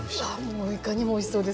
もういかにもおいしそうです。